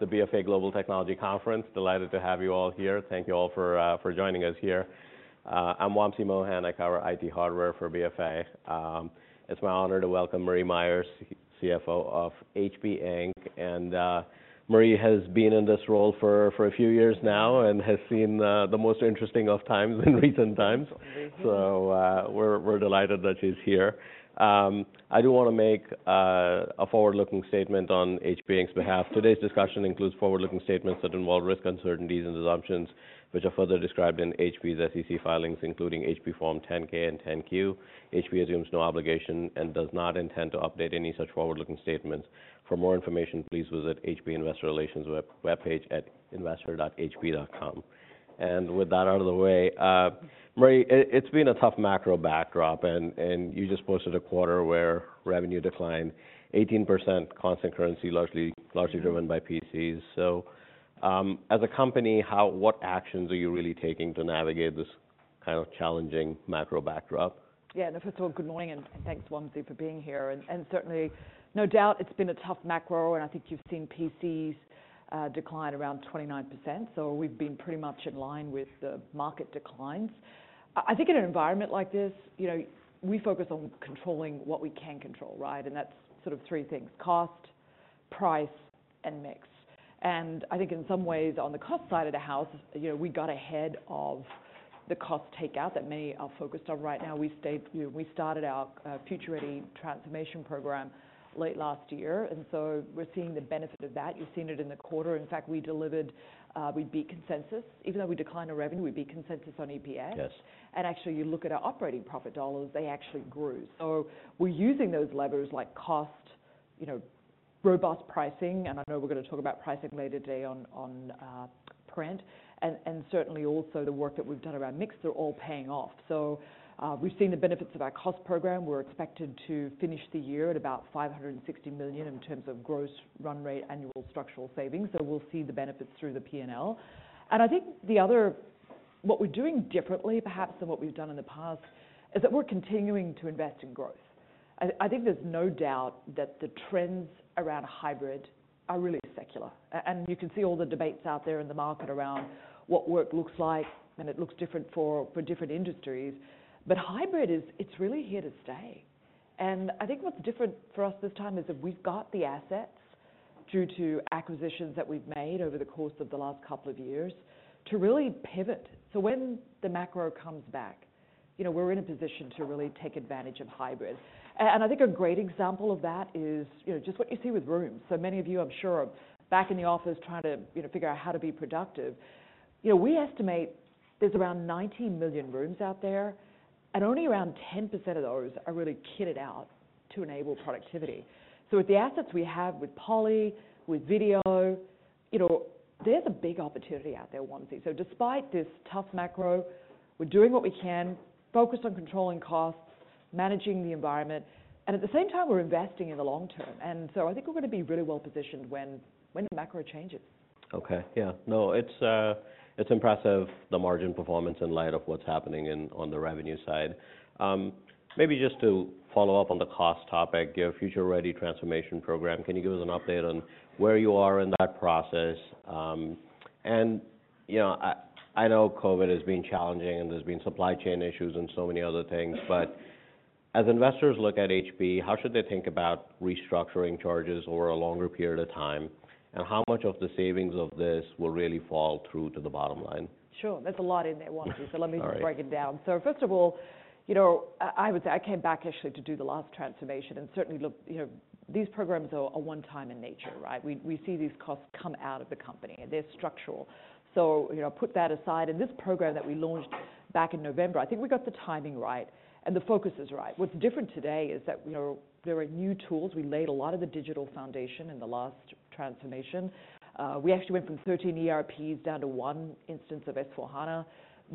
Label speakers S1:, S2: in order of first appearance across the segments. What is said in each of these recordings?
S1: The BofA Global Technology Conference. Delighted to have you all here. Thank you all for joining us here. I'm Wamsi Mohan. I cover IT hardware for BofA. It's my honor to welcome Marie Myers, CFO of HP Inc. Marie has been in this role for a few years now and has seen the most interesting of times in recent times.
S2: Mm-hmm.
S1: We're delighted that she's here. I do want to make a forward-looking statement on HP Inc.'s behalf. Today's discussion includes forward-looking statements that involve risk, uncertainties and assumptions, which are further described in HP's SEC filings, including HP Form 10-K and 10-Q. HP assumes no obligation and does not intend to update any such forward-looking statements. For more information, please visit HP investor relations webpage at investor.hp.com. With that out of the way, Marie, it's been a tough macro backdrop and you just posted a quarter where revenue declined 18%, constant currency, largely driven by PCs. As a company, what actions are you really taking to navigate this kind of challenging macro backdrop?
S2: First of all, good morning, and thanks, Wamsi, for being here. Certainly, no doubt it's been a tough macro, and I think you've seen PCs decline around 29%, so we've been pretty much in line with the market declines. I think in an environment like this, you know, we focus on controlling what we can control, right? That's sort of three things: cost, price, and mix. I think in some ways, on the cost side of the house, you know, we got ahead of the cost takeout that many are focused on right now. We stayed, you know, we started our Future Ready transformation program late last year, and so we're seeing the benefit of that. You've seen it in the quarter. In fact, we delivered, we beat consensus. Even though we declined our revenue, we beat consensus on EPS.
S1: Yes.
S2: Actually, you look at our operating profit dollars, they actually grew. We're using those levers like cost, you know, robust pricing, and I know we're going to talk about pricing later today on print, and certainly also the work that we've done around mix, they're all paying off. We've seen the benefits of our cost program. We're expected to finish the year at about $560 million in terms of gross run rate annual structural savings, so we'll see the benefits through the P&L. I think what we're doing differently, perhaps, than what we've done in the past, is that we're continuing to invest in growth. I think there's no doubt that the trends around hybrid are really secular. You can see all the debates out there in the market around what work looks like, and it looks different for different industries. Hybrid is, it's really here to stay. I think what's different for us this time is that we've got the assets, due to acquisitions that we've made over the course of the last couple of years, to really pivot. When the macro comes back, you know, we're in a position to really take advantage of hybrid. I think a great example of that is, you know, just what you see with rooms. Many of you, I'm sure, are back in the office trying to, you know, figure out how to be productive. You know, we estimate there's around 19 million rooms out there, and only around 10% of those are really kitted out to enable productivity. With the assets we have with Poly, with Video, you know, there's a big opportunity out there, Wamsi. Despite this tough macro, we're doing what we can, focused on controlling costs, managing the environment, and at the same time, we're investing in the long term. I think we're going to be really well positioned when the macro changes.
S1: Okay. Yeah. No, it's impressive, the margin performance in light of what's happening on the revenue side. Maybe just to follow up on the cost topic, your Future Ready transformation program, can you give us an update on where you are in that process? You know, I know COVID has been challenging and there's been supply chain issues and so many other things, but as investors look at HP, how should they think about restructuring charges over a longer period of time? How much of the savings of this will really fall through to the bottom line?
S2: Sure. There's a lot in there, Wamsi.
S1: All right.
S2: Let me break it down. First of all, you know, I would say I came back actually to do the last transformation, and certainly, look, you know, these programs are a one-time in nature, right? We, we see these costs come out of the company, and they're structural. You know, put that aside. This program that we launched back in November, I think we got the timing right and the focus is right. What's different today is that, you know, there are new tools. We laid a lot of the digital foundation in the last transformation. We actually went from 13 ERPs down to one instance of S/4HANA.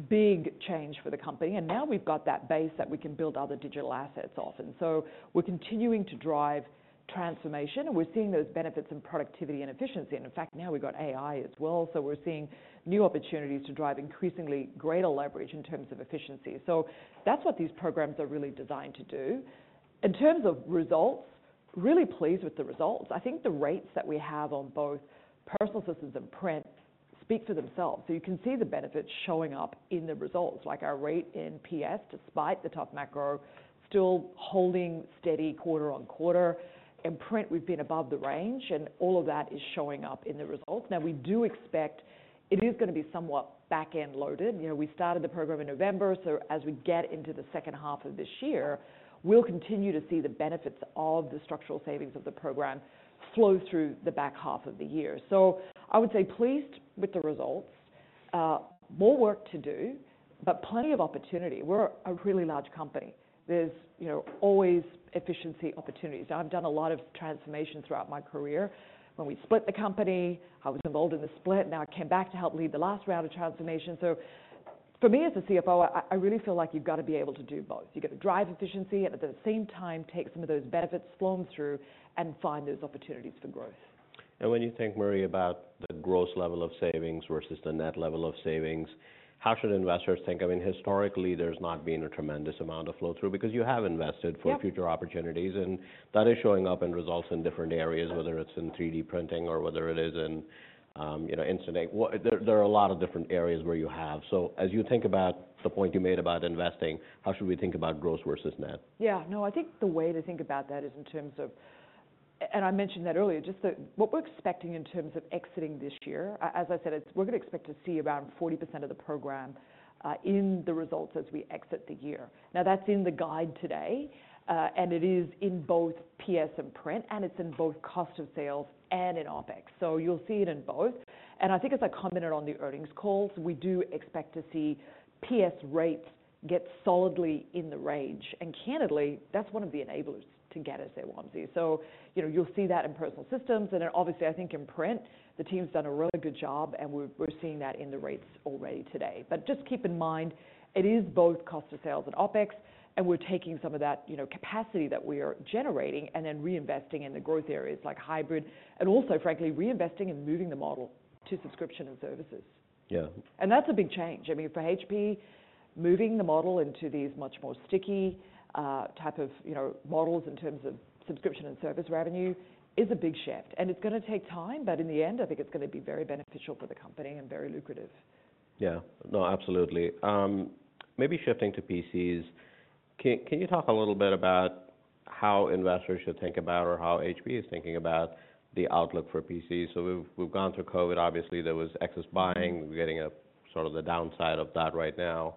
S2: Big change for the company, and now we've got that base that we can build other digital assets off. We're continuing to drive transformation, and we're seeing those benefits in productivity and efficiency. In fact, now we've got AI as well, we're seeing new opportunities to drive increasingly greater leverage in terms of efficiency. That's what these programs are really designed to do. In terms of results, really pleased with the results. I think the rates that we have on both Personal Systems and print speak for themselves. You can see the benefits showing up in the results, like our rate in PS, despite the tough macro, still holding steady quarter-over-quarter. In print, we've been above the range, and all of that is showing up in the results. Now, we do expect it is gonna be somewhat back-end loaded. You know, we started the program in November, so as we get into the second half of this year, we'll continue to see the benefits of the structural savings of the program flow through the back half of the year. I would say pleased with the results. More work to do, but plenty of opportunity. We're a really large company. There's, you know, always efficiency opportunities. I've done a lot of transformation throughout my career. When we split the company, I was involved in the split. Now I came back to help lead the last round of transformation. For me as a CFO, I really feel like you've got to be able to do both. You've got to drive efficiency and at the same time take some of those benefits flowing through and find those opportunities for growth.
S1: When you think, Marie, about the gross level of savings versus the net level of savings, how should investors think? I mean, historically, there's not been a tremendous amount of flow-through because you have invested for future opportunities. That is showing up in results in different areas, whether it's in 3D printing or whether it is in, you know, Instant Ink. There are a lot of different areas where you have. As you think about the point you made about investing, how should we think about gross versus net?
S2: Yeah. No, I think the way to think about that is and I mentioned that earlier, just that what we're expecting in terms of exiting this year, as I said, we're gonna expect to see around 40% of the program in the results as we exit the year. That's in the guide today, it is in both PS and print, and it's in both cost of sales and in OpEx. You'll see it in both. I think, as I commented on the earnings calls, we do expect to see PS rates get solidly in the range. Candidly, that's one of the enablers to get us at Wamsi. You know, you'll see that in Personal Systems. Obviously, I think in print, the team's done a really good job, and we're seeing that in the rates already today. Just keep in mind, it is both cost of sales and OpEx. We're taking some of that, you know, capacity that we are generating and then reinvesting in the growth areas like hybrid, and also, frankly, reinvesting in moving the model to subscription and services.
S1: Yeah.
S2: That's a big change. I mean, for HP, moving the model into these much more sticky, type of, you know, models in terms of subscription and service revenue is a big shift, and it's gonna take time, but in the end, I think it's gonna be very beneficial for the company and very lucrative.
S1: Yeah. No, absolutely. Maybe shifting to PCs, can you talk a little bit about how investors should think about or how HP is thinking about the outlook for PCs? We've gone through COVID. Obviously, there was excess buying. We're getting a sort of the downside of that right now,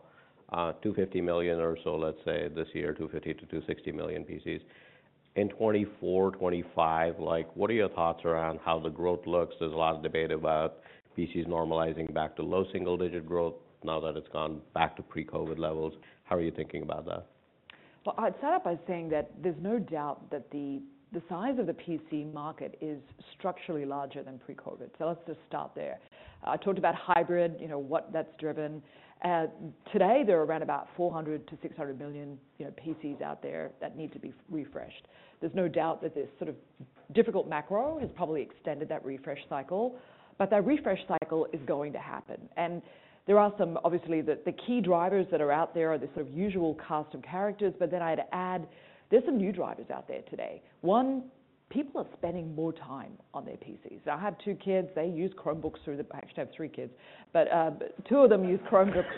S1: 250 million or so, let's say, this year, 250 million-260 million PCs. In 2024, 2025, like, what are your thoughts around how the growth looks? There's a lot of debate about PCs normalizing back to low single-digit growth now that it's gone back to pre-COVID levels. How are you thinking about that?
S2: Well, I'd start off by saying that there's no doubt that the size of the PC market is structurally larger than pre-COVID, so let's just start there. I talked about hybrid, you know, what that's driven. Today, there are around about 400 million-600 million, you know, PCs out there that need to be refreshed. There's no doubt that this sort of difficult macro has probably extended that refresh cycle, but that refresh cycle is going to happen. There are some—obviously, the key drivers that are out there are the sort of usual cast of characters. I'd add, there's some new drivers out there today. One, people are spending more time on their PCs. I have two kids, they use Chromebooks. I actually have three kids, but two of them use Chromebooks.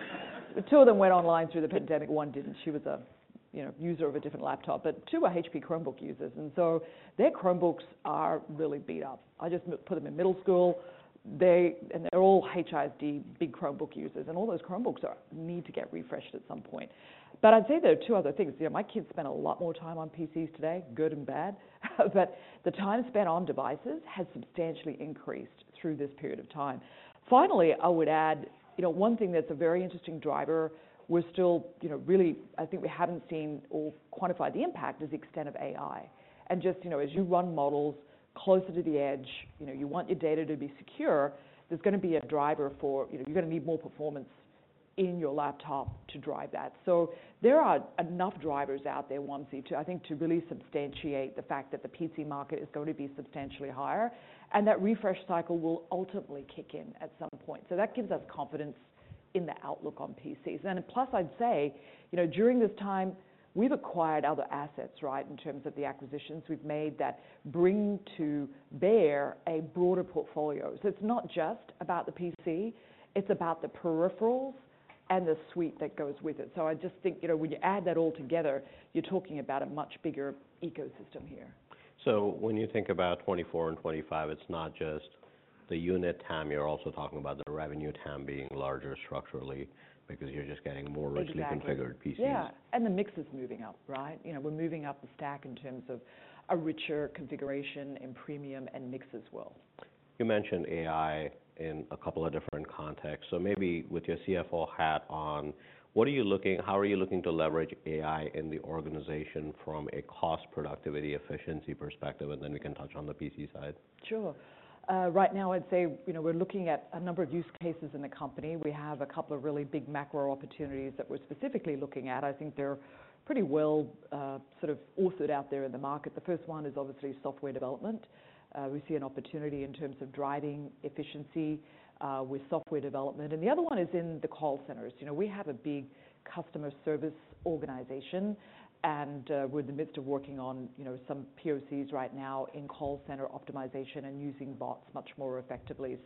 S2: Two of them went online through the pandemic, one didn't. She was a, you know, user of a different laptop, but two are HP Chromebook users, and so their Chromebooks are really beat up. I just put them in middle school. They're all HID, big Chromebook users, and all those Chromebooks are, need to get refreshed at some point. I'd say there are two other things. You know, my kids spend a lot more time on PCs today, good and bad. The time spent on devices has substantially increased through this period of time. Finally, I would add, you know, one thing that's a very interesting driver, we're still, you know, really, I think we haven't seen or quantified the impact, is the extent of AI. Just, you know, as you run models closer to the edge, you know, you want your data to be secure, there's gonna be a driver for, you know, you're gonna need more performance in your laptop to drive that. There are enough drivers out there, onesie, to, I think, to really substantiate the fact that the PC market is going to be substantially higher, and that refresh cycle will ultimately kick in at some point. That gives us confidence in the outlook on PCs. Plus, I'd say, you know, during this time, we've acquired other assets, right, in terms of the acquisitions we've made that bring to bear a broader portfolio. It's not just about the PC, it's about the Peripherals and the suite that goes with it. I just think, you know, when you add that all together, you're talking about a much bigger ecosystem here.
S1: When you think about 2024 and 2025, it's not just the unit TAM, you're also talking about the revenue TAM being larger structurally because you're just getting more richly configured PCs?
S2: Exactly. Yeah, the mix is moving up, right? You know, we're moving up the stack in terms of a richer configuration in premium and mix as well.
S1: You mentioned AI in a couple of different contexts. Maybe with your CFO hat on, how are you looking to leverage AI in the organization from a cost, productivity, efficiency perspective, and then we can touch on the PC side?
S2: Sure. Right now, I'd say, you know, we're looking at a number of use cases in the company. We have a couple of really big macro opportunities that we're specifically looking at. I think they're pretty well, sort of authored out there in the market. The first one is obviously software development. We see an opportunity in terms of driving efficiency, with software development. The other one is in the call centers. You know, we have a big customer service organization, and, we're in the midst of working on, you know, some POCs right now in call center optimization and using bots much more effectively.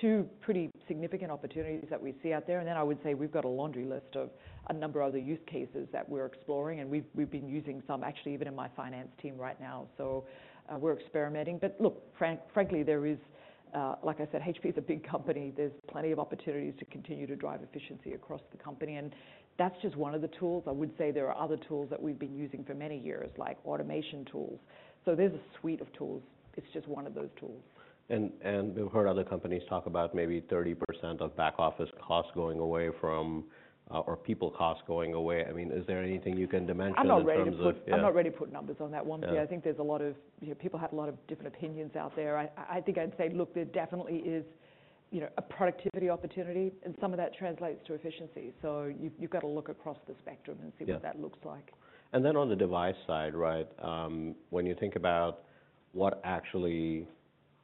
S2: Two pretty significant opportunities that we see out there. I would say we've got a laundry list of a number of other use cases that we're exploring, and we've been using some, actually, even in my finance team right now. We're experimenting. Look, frankly, there is, like I said, HP is a big company. There's plenty of opportunities to continue to drive efficiency across the company, and that's just one of the tools. I would say there are other tools that we've been using for many years, like automation tools. There's a suite of tools. It's just one of those tools.
S1: We've heard other companies talk about maybe 30% of back office costs going away from, or people costs going away. I mean, is there anything you can dimension?
S2: I'm not ready to put—I'm not ready to put numbers on that one.
S1: Yeah.
S2: I think there's a lot of, you know, people have a lot of different opinions out there. I think I'd say, look, there definitely is, you know, a productivity opportunity, and some of that translates to efficiency. You've got to look across the spectrum and see what that looks like.
S1: On the device side, right? When you think about what actually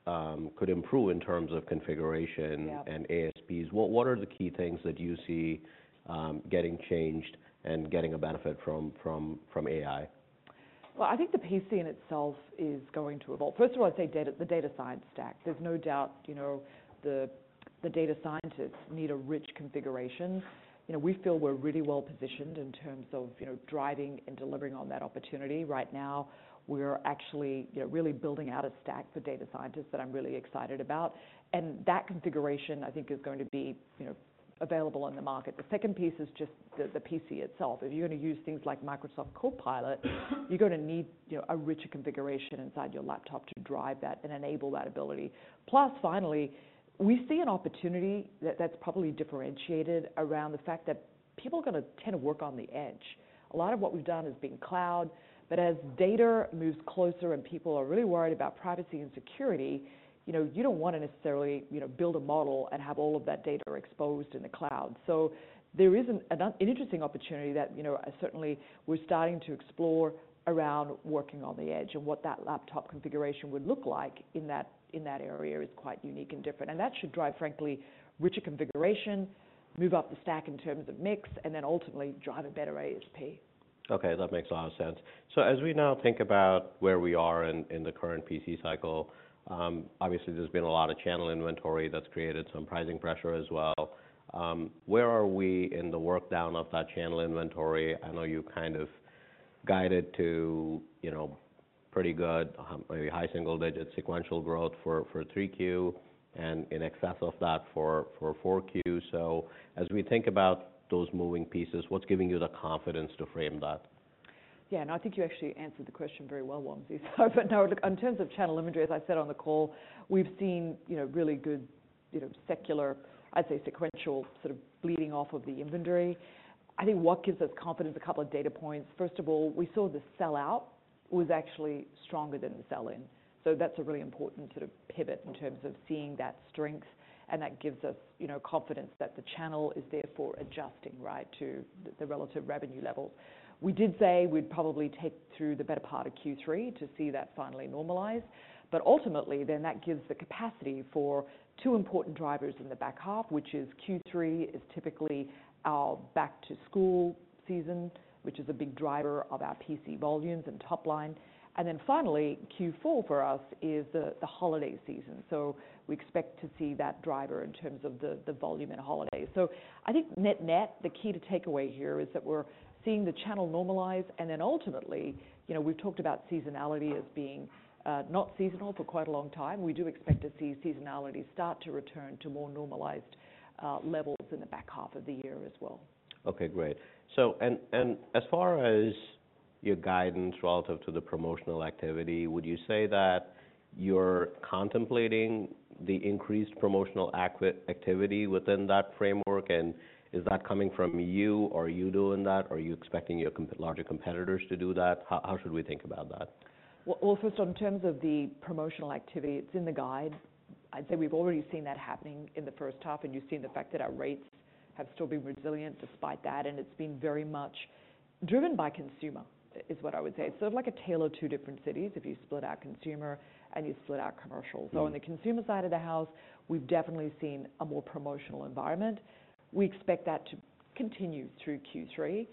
S1: could improve in terms of configuration and ASPs, what are the key things that you see getting changed and getting a benefit from AI?
S2: Well, I think the PC in itself is going to evolve. First of all, I'd say data, the data science stack. There's no doubt, you know, the data scientists need a rich configuration. You know, we feel we're really well positioned in terms of, you know, driving and delivering on that opportunity. Right now, we're actually, you know, really building out a stack for data scientists that I'm really excited about, and that configuration, I think, is going to be, you know, available on the market. The second piece is just the PC itself. If you're going to use things like Microsoft Copilot, you're going to need, you know, a richer configuration inside your laptop to drive that and enable that ability. Plus, finally, we see an opportunity that's probably differentiated around the fact that people are gonna tend to work on the edge. A lot of what we've done has been cloud, but as data moves closer and people are really worried about privacy and security, you know, you don't want to necessarily, you know, build a model and have all of that data exposed in the cloud. There is an interesting opportunity that, you know, certainly we're starting to explore around working on the edge and what that laptop configuration would look like in that area is quite unique and different. That should drive, frankly, richer configuration, move up the stack in terms of mix, and then ultimately drive a better ASP.
S1: Okay, that makes a lot of sense. As we now think about where we are in the current PC cycle, obviously there's been a lot of channel inventory that's created some pricing pressure as well. Where are we in the work down of that channel inventory? I know you kind of guided to, you know, pretty good, maybe high single-digit sequential growth for 3Q and in excess of that for 4Q. As we think about those moving pieces, what's giving you the confidence to frame that?
S2: Yeah, and I think you actually answered the question very well, Wamsi. No, in terms of channel inventory, as I said on the call, we've seen, you know, really good, you know, secular, I'd say sequential, sort of bleeding off of the inventory. I think what gives us confidence, a couple of data points. First of all, we saw the sell out was actually stronger than the sell-in. That's a really important sort of pivot in terms of seeing that strength, and that gives us, you know, confidence that the channel is therefore adjusting, right, to the relative revenue level. We did say we'd probably take through the better part of Q3 to see that finally normalize, but ultimately, then that gives the capacity for two important drivers in the back half, which is Q3, is typically our back-to-school season, which is a big driver of our PC volumes and top line. Finally, Q4 for us is the holiday season. We expect to see that driver in terms of the volume in holidays. I think net-net, the key to take away here is that we're seeing the channel normalize, and then ultimately, you know, we've talked about seasonality as being not seasonal for quite a long time. We do expect to see seasonality start to return to more normalized levels in the back half of the year as well.
S1: Great. As far as your guidance relative to the promotional activity, would you say that you're contemplating the increased promotional activity within that framework? Is that coming from you, are you doing that, or are you expecting your Larger competitors to do that? How should we think about that?
S2: Well, first, in terms of the promotional activity, it's in the guide. I'd say we've already seen that happening in the first half, and you've seen the fact that our rates have still been resilient despite that, and it's been very much driven by consumer, is what I would say. It's sort of like a tale of two different cities if you split out consumer and you split out commercial.
S1: Hmm.
S2: On the consumer side of the house, we've definitely seen a more promotional environment. We expect that to continue through Q3.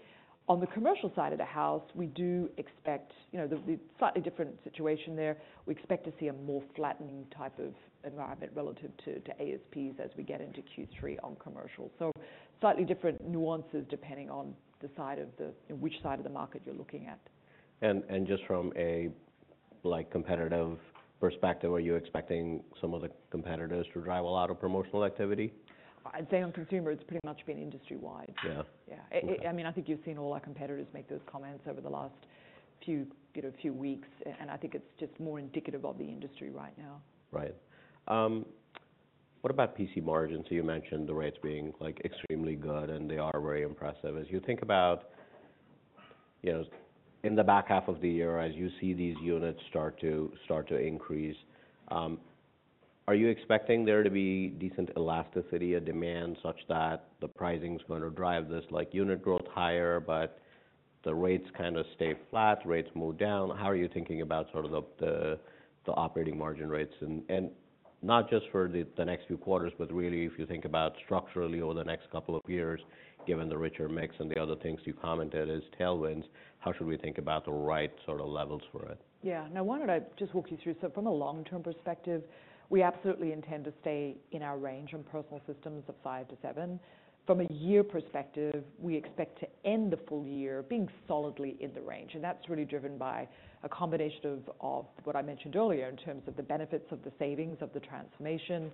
S2: On the commercial side of the house, we do expect, you know, the slightly different situation there. We expect to see a more flattening type of environment relative to ASPs as we get into Q3 on commercial. Slightly different nuances, depending on which side of the market you're looking at.
S1: Just from a, like, competitive perspective, are you expecting some of the competitors to drive a lot of promotional activity?
S2: I'd say on consumer, it's pretty much been industry-wide.
S1: Yeah.
S2: Yeah. I mean, I think you've seen all our competitors make those comments over the last few weeks, I think it's just more indicative of the industry right now.
S1: Right. What about PC margins? You mentioned the rates being, like, extremely good, and they are very impressive. As you think about, you know, in the back half of the year, as you see these units start to increase, are you expecting there to be decent elasticity of demand such that the pricing is going to drive this, like, unit growth higher, but the rates kind of stay flat, rates move down? How are you thinking about sort of the operating margin rates? Not just for the next few quarters, but really, if you think about structurally over the next couple of years, given the richer mix and the other things you commented as tailwinds, how should we think about the right sort of levels for it?
S2: Why don't I just walk you through? From a long-term perspective, we absolutely intend to stay in our range on Personal Systems of 5-7. From a year perspective, we expect to end the full year being solidly in the range, and that's really driven by a combination of what I mentioned earlier, in terms of the benefits of the savings of the transformation.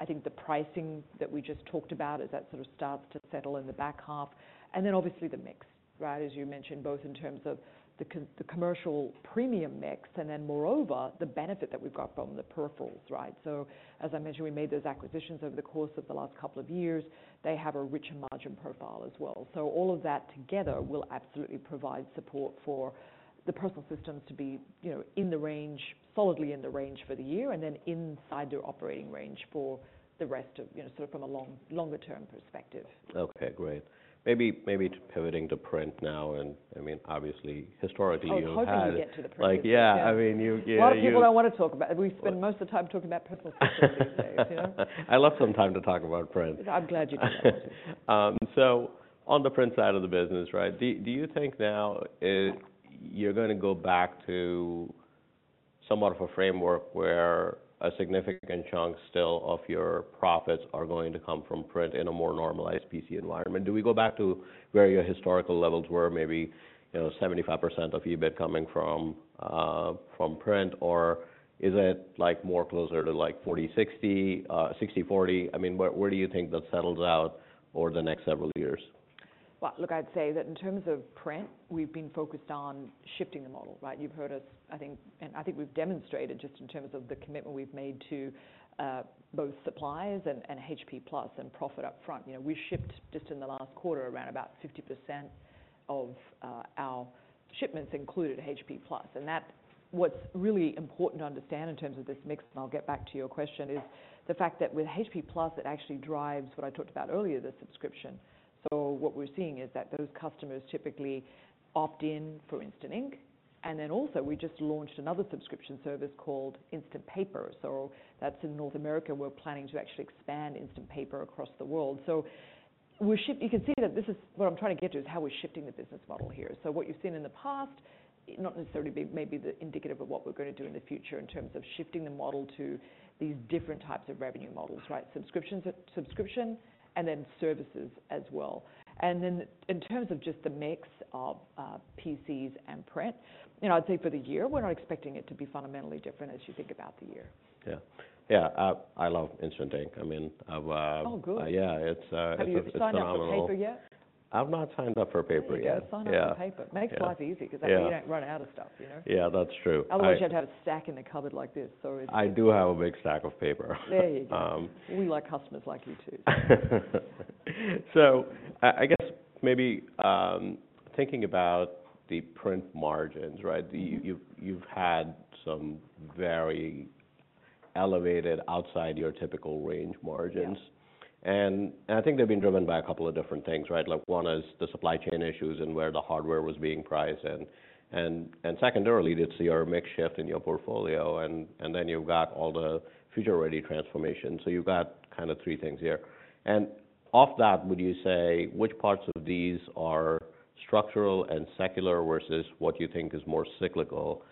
S2: I think the pricing that we just talked about, as that sort of starts to settle in the back half, obviously the mix. Right, as you mentioned, both in terms of the commercial premium mix, moreover, the benefit that we've got from the Peripherals, right? As I mentioned, we made those acquisitions over the course of the last couple of years. They have a richer margin profile as well. All of that together will absolutely provide support for the Personal Systems to be, you know, in the range, solidly in the range for the year, and then inside their operating range for the rest of, you know, sort of from a long, longer term perspective.
S1: Okay, great. Maybe pivoting to print now, I mean, obviously, historically.
S2: Oh, hopefully we get to the print.
S1: Like, yeah, I mean, you, yeah.
S2: Well, that's what I want to talk about. We spend most of the time talking about Personal Systems these days, you know?
S1: I left some time to talk about print.
S2: I'm glad you did.
S1: On the print side of the business, right, do you think now you're gonna go back to somewhat of a framework where a significant chunk still of your profits are going to come from print in a more normalized PC environment? Do we go back to where your historical levels were, maybe, you know, 75% of EBIT coming from print, or is it like more closer to, like, 40/60, 60/40? I mean, where do you think that settles out over the next several years?
S2: Well, look, I'd say that in terms of print, we've been focused on shifting the model, right? You've heard us, I think, I think we've demonstrated just in terms of the commitment we've made to both suppliers and HP Plus and profit up front. You know, we shipped, just in the last quarter, around about 50% of our shipments included HP Plus. That's what's really important to understand in terms of this mix, and I'll get back to your question, is the fact that with HP Plus, it actually drives what I talked about earlier, the subscription. What we're seeing is that those customers typically opt in for Instant Ink, and then also, we just launched another subscription service called Instant Paper. That's in North America. We're planning to actually expand Instant Paper across the world. You can see that what I'm trying to get to, is how we're shifting the business model here. What you've seen in the past, not necessarily be maybe the indicative of what we're gonna do in the future in terms of shifting the model to these different types of revenue models, right? Subscription, services as well. In terms of just the mix of PCs and print, you know, I'd say for the year, we're not expecting it to be fundamentally different as you think about the year.
S1: Yeah. Yeah, I love Instant Ink. I mean, I've.
S2: Oh, good.
S1: Yeah, it's a phenomenal.
S2: Have you signed up for paper yet?
S1: I've not signed up for paper yet.
S2: There you go.
S1: Yeah.
S2: Sign up for paper.
S1: Yeah.
S2: Makes life easy 'cause you don't run out of stuff, you know?
S1: Yeah, that's true.
S2: Otherwise, you'd have a stack in the cupboard like this, so.
S1: I do have a big stack of paper.
S2: There you go.
S1: Um.
S2: We like customers like you, too.
S1: I guess maybe, thinking about the print margins, right? You've had some very elevated outside your typical range margins.
S2: Yeah.
S1: I think they've been driven by a couple of different things, right? Like, one is the supply chain issues and where the hardware was being priced and secondarily, did see our mix shift in your portfolio, and then you've got all the Future Ready transformation. You've got kind of three things here. Off that, would you say which parts of these are structural and secular, versus what you think is more cyclical?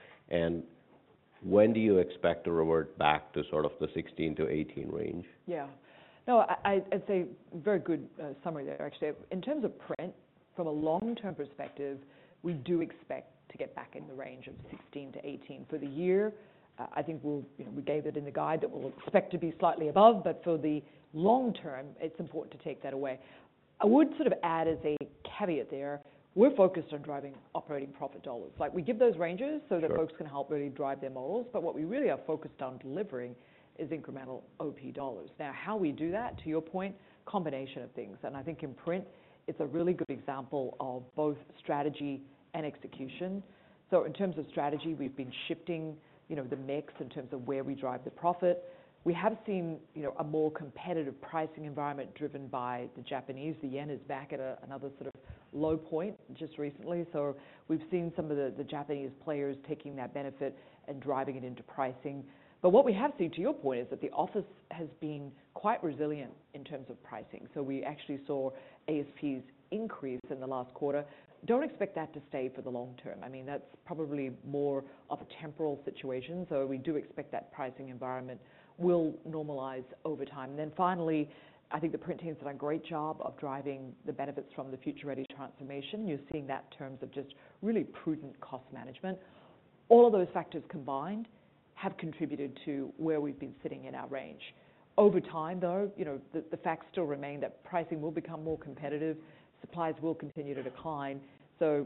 S1: When do you expect to revert back to sort of the 16-18 range?
S2: Yeah. No, it's a very good summary there, actually. In terms of print, from a long-term perspective, we do expect to get back in the range of 16-18. For the year, I think we'll, you know, we gave it in the guide that we'll expect to be slightly above, but for the long term, it's important to take that away. I would sort of add as a caveat there, we're focused on driving operating profit dollars. Like, we give those ranges so that folks can help really drive their models, but what we really are focused on delivering is incremental OP dollars. How we do that, to your point, combination of things, and I think in print, it's a really good example of both strategy and execution. In terms of strategy, we've been shifting, you know, the mix in terms of where we drive the profit. We have seen, you know, a more competitive pricing environment driven by the Japanese. The yen is back at a, another sort of low point just recently, so we've seen some of the Japanese players taking that benefit and driving it into pricing. What we have seen, to your point, is that the office has been quite resilient in terms of pricing, so we actually saw ACs increase in the last quarter. Don't expect that to stay for the long term. I mean, that's probably more of a temporal situation. We do expect that pricing environment will normalize over time. Finally, I think the print team has done a great job of driving the benefits from the Future Ready transformation. You're seeing that in terms of just really prudent cost management. All of those factors combined have contributed to where we've been sitting in our range. Over time, though, you know, the facts still remain that pricing will become more competitive, supplies will continue to decline.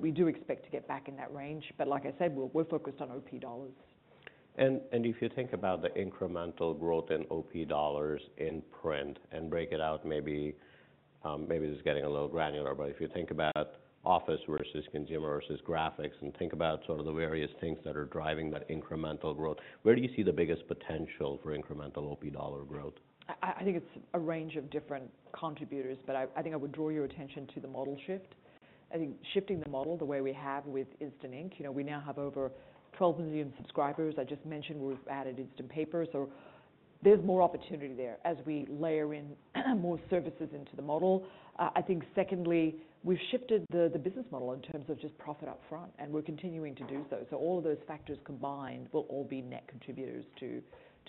S2: We do expect to get back in that range. Like I said, we're focused on OP dollars.
S1: If you think about the incremental growth in OP dollars in print and break it out, maybe this is getting a little granular, but if you think about office versus consumer versus graphics, and think about sort of the various things that are driving that incremental growth, where do you see the biggest potential for incremental OP dollar growth?
S2: I think it's a range of different contributors, but I think I would draw your attention to the model shift. I think shifting the model the way we have with Instant Ink, you know, we now have over 12 million subscribers. I just mentioned we've added Instant Paper, so there's more opportunity there as we layer in more services into the model. I think secondly, we've shifted the business model in terms of just profit up front, and we're continuing to do so. All of those factors combined will all be net contributors to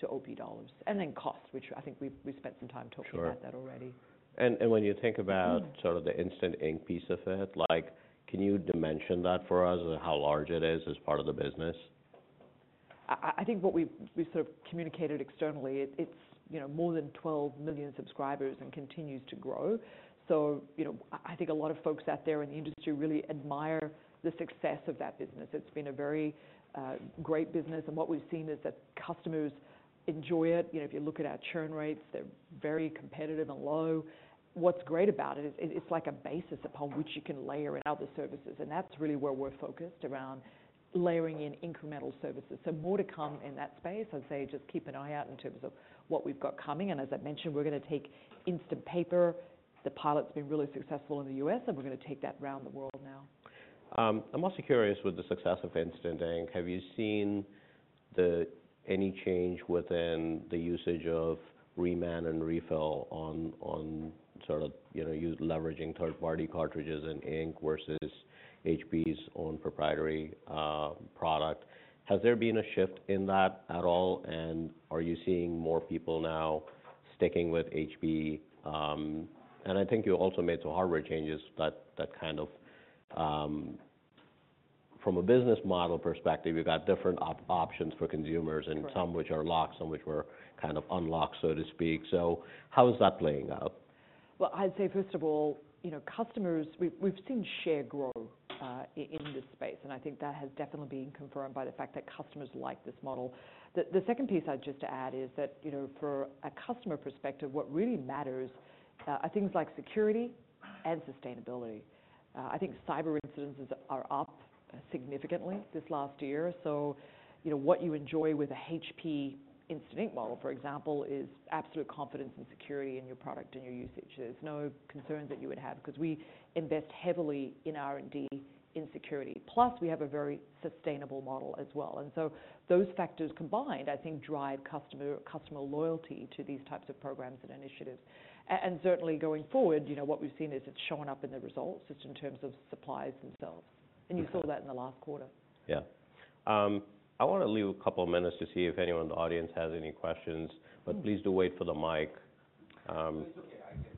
S2: OP dollars. Then cost, which I think we've spent some time talking.
S1: Sure
S2: about that already.
S1: when you think about sort of the Instant Ink piece of it, like, can you dimension that for us, and how large it is as part of the business?
S2: I think what we've sort of communicated externally, it's, you know, more than 12 million subscribers and continues to grow. You know, I think a lot of folks out there in the industry really admire the success of that business. It's been a very great business, and what we've seen is that customers enjoy it. You know, if you look at our churn rates, they're very competitive and low. What's great about it is, it's like a basis upon which you can layer in other services, and that's really where we're focused, around layering in incremental services. More to come in that space. I'd say just keep an eye out in terms of what we've got coming. As I mentioned, we're going to take Instant Paper. The pilot's been really successful in the U.S., and we're going to take that around the world now.
S1: I'm also curious, with the success of Instant Ink, have you seen any change within the usage of reman and refill on sort of, you know, use leveraging third-party cartridges and ink versus HP's own proprietary product? Has there been a shift in that at all? Are you seeing more people now sticking with HP? I think you also made some hardware changes. From a business model perspective, you've got different options for consumers.
S2: Right.
S1: Some which are locked, some which were kind of unlocked, so to speak. How is that playing out?
S2: I'd say, first of all, you know, customers, we've seen share grow in this space. I think that has definitely been confirmed by the fact that customers like this model. The second piece I'd just add is that, you know, for a customer perspective, what really matters are things like security and sustainability. I think cyber incidences are up significantly this last year. You know, what you enjoy with a HP Instant Ink model, for example, is absolute confidence and security in your product and your usage. There's no concerns that you would have because we invest heavily in R&D in security, plus we have a very sustainable model as well. Those factors combined, I think, drive customer loyalty to these types of programs and initiatives. Certainly going forward, you know, what we've seen is it's shown up in the results, just in terms of Supplies themselves.
S1: Yeah.
S2: You saw that in the last quarter.
S1: Yeah. I want to leave a couple of minutes to see if anyone in the audience has any questions.
S2: Mm.
S1: Please do wait for the mic.
S3: It's okay, I can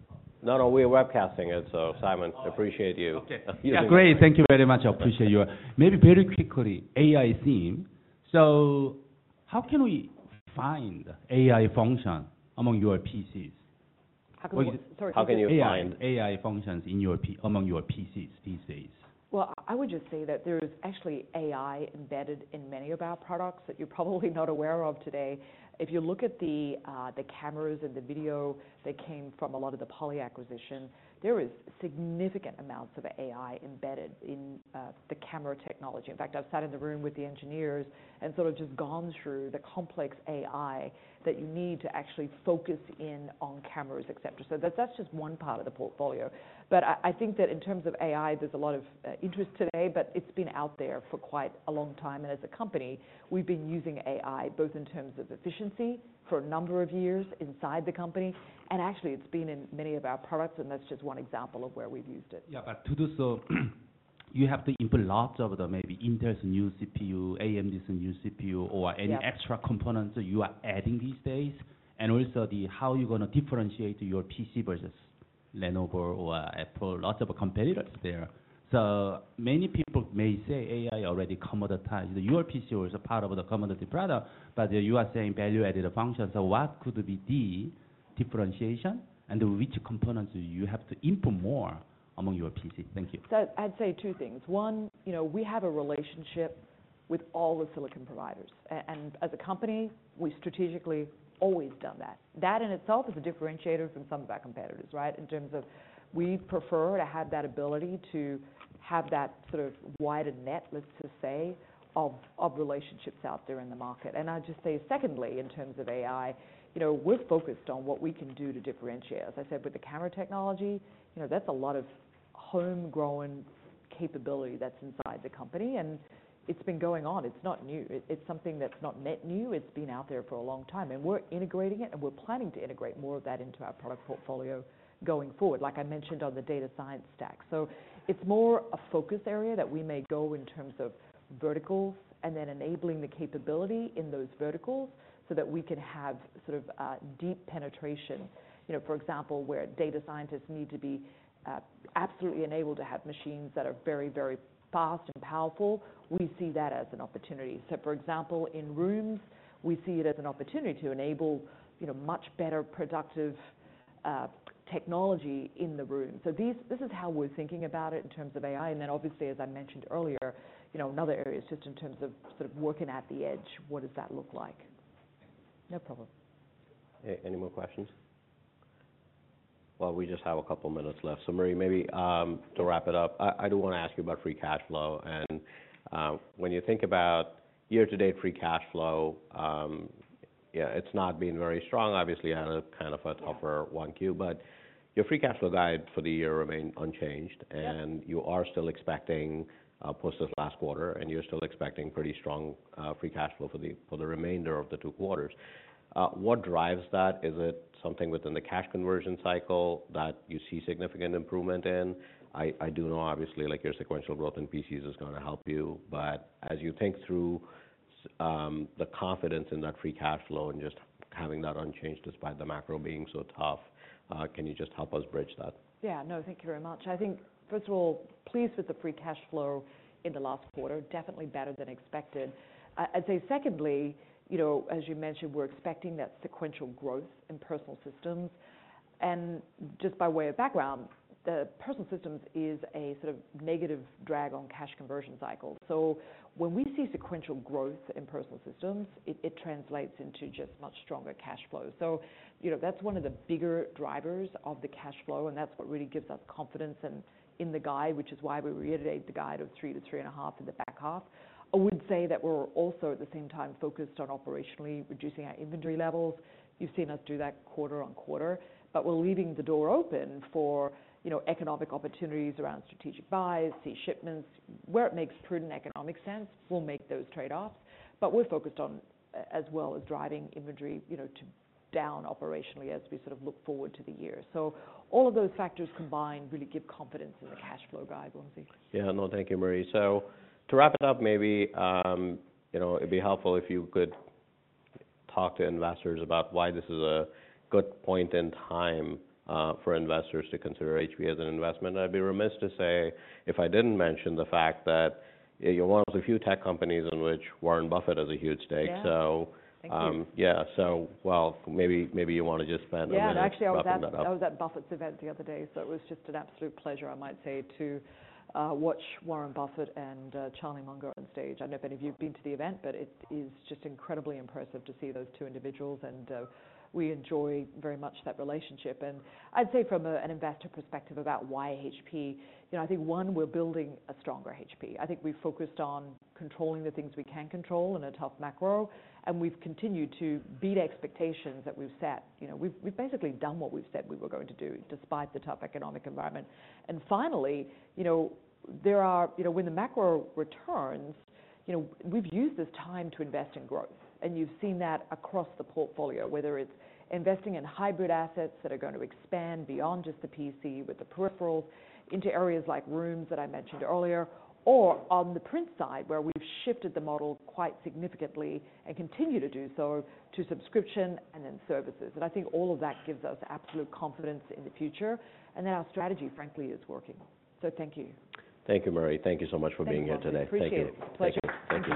S3: talk.
S1: No, no, we are webcasting it, so Simon, appreciate you.
S3: Okay. Yeah, great. Thank you very much. I appreciate you. Maybe very quickly, AI theme. How can we find AI function among your PCs?
S2: How can we, sorry, again?
S1: How can you find-?
S3: AI functions among your PCs these days?
S2: I would just say that there is actually AI embedded in many of our products that you're probably not aware of today. If you look at the cameras and the video that came from a lot of the Poly acquisition, there is significant amounts of AI embedded in the camera technology. In fact, I've sat in the room with the engineers and sort of just gone through the complex AI that you need to actually focus in on cameras, et cetera. That, that's just one part of the portfolio. I think that in terms of AI, there's a lot of interest today, but it's been out there for quite a long time. As a company, we've been using AI, both in terms of efficiency, for a number of years inside the company, and actually it's been in many of our products, and that's just one example of where we've used it.
S3: Yeah, to do so, you have to input lots of the maybe Intel's new CPU, AMD's new CPU or any extra components that you are adding these days, and also the, how you're going to differentiate your PC versus Lenovo or Apple, lots of competitors there. Many people may say AI already commoditized. Your PC was a part of the commodity product, you are saying value-added function. What could be the differentiation, and which components you have to input more among your PC? Thank you.
S2: I'd say two things. One, you know, we have a relationship with all the silicon providers. As a company, we've strategically always done that. That in itself is a differentiator from some of our competitors, right? In terms of we prefer to have that ability to have that sort of wider net, let's just say, of relationships out there in the market. I'd just say, secondly, in terms of AI, you know, we're focused on what we can do to differentiate. As I said, with the camera technology, you know, that's a lot of home-grown capability that's inside the company, and it's been going on. It's not new. It's something that's not net new. It's been out there for a long time, and we're integrating it, and we're planning to integrate more of that into our product portfolio going forward, like I mentioned on the data science stack. It's more a focus area that we may go in terms of verticals and then enabling the capability in those verticals so that we can have sort of, deep penetration. You know, for example, where data scientists need to be, absolutely enabled to have machines that are very, very fast and powerful, we see that as an opportunity. For example, in rooms, we see it as an opportunity to enable, you know, much better productive, technology in the room. This is how we're thinking about it in terms of AI. Obviously, as I mentioned earlier, you know, another area is just in terms of sort of working at the edge. What does that look like? No problem.
S1: Any more questions? Well, we just have a couple minutes left, so Marie, maybe, to wrap it up, I do want to ask you about free cash flow. When you think about year-to-date free cash flow, yeah, it's not been very strong, obviously, had a kind of a tougher one Q, but your free cash flow guide for the year remained unchanged.
S2: Yep.
S1: You are still expecting, plus this last quarter, and you're still expecting pretty strong free cash flow for the, for the remainder of the two quarters. What drives that? Is it something within the cash conversion cycle that you see significant improvement in? I do know obviously, like, your sequential growth in PCs is going to help you, but as you think through, the confidence in that free cash flow and just having that unchanged despite the macro being so tough, can you just help us bridge that?
S2: Yeah. No, thank you very much. I think, first of all, pleased with the free cash flow in the last quarter, definitely better than expected. I'd say secondly, you know, as you mentioned, we're expecting that sequential growth in Personal Systems. Just by way of background, the Personal Systems is a sort of negative drag on cash conversion cycle. When we see sequential growth in Personal Systems, it translates into just much stronger cash flow. You know, that's one of the bigger drivers of the cash flow, and that's what really gives us confidence in the guide, which is why we reiterate the guide of three to three and a half in the back half. I would say that we're also, at the same time, focused on operationally reducing our inventory levels. You've seen us do that quarter on quarter. We're leaving the door open for, you know, economic opportunities around strategic buys, the shipments. Where it makes prudent economic sense, we'll make those trade-offs. We're focused on as well as driving inventory, you know, to down operationally as we sort of look forward to the year. All of those factors combined really give confidence in the cash flow guide, Wamsi.
S1: Yeah, no, thank you, Marie. To wrap it up, maybe, you know, it'd be helpful if you could talk to investors about why this is a good point in time for investors to consider HP as an investment. I'd be remiss to say if I didn't mention the fact that you're one of the few tech companies in which Warren Buffett has a huge stake.
S2: Yeah.
S1: So, um-
S2: Thank you.
S1: Yeah. Well, maybe you want to just spend a minute...
S2: Yeah.
S1: Wrapping that up.
S2: I was at Buffett's event the other day, so it was just an absolute pleasure, I might say, to watch Warren Buffett and Charlie Munger on stage. I don't know if any of you have been to the event, but it is just incredibly impressive to see those two individuals, and we enjoy very much that relationship. I'd say from an investor perspective about why HP? You know, I think, one, we're building a stronger HP. I think we've focused on controlling the things we can control in a tough macro, and we've continued to beat expectations that we've set. You know, we've basically done what we've said we were going to do, despite the tough economic environment. Finally, you know, there are... You know, when the macro returns, you know, we've used this time to invest in growth, and you've seen that across the portfolio, whether it's investing in hybrid assets that are going to expand beyond just the PC with the Peripherals into areas like rooms that I mentioned earlier, or on the print side, where we've shifted the model quite significantly and continue to do so to subscription and in services. I think all of that gives us absolute confidence in the future, and that our strategy, frankly, is working. Thank you.
S1: Thank you, Marie. Thank you so much for being here today.
S2: Thank you.
S1: Thank you.
S2: Appreciate it.
S1: Thank you.
S2: Pleasure.
S1: Thank you.